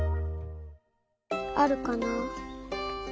あるかなあ。